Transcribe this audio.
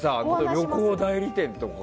旅行代理店とか。